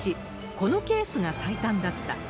このケースが最短だった。